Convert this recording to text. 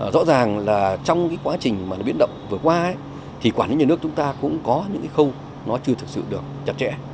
rõ ràng là trong quá trình biến động vừa qua thì quản lý nhà nước chúng ta cũng có những khâu nó chưa thực sự được chặt chẽ